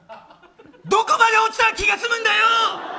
どこまで落ちたら気が済むんだよ！